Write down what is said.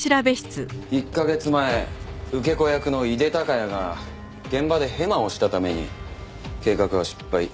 １カ月前受け子役の井手孝也が現場でヘマをしたために計画は失敗。